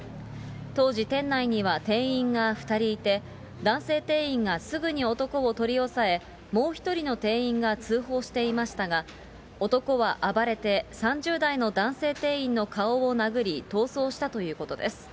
当時、店内には店員が２人いて、男性店員がすぐに男を取り押さえ、もう１人の店員が通報していましたが、男は暴れて、３０代の男性店員の顔を殴り、逃走したということです。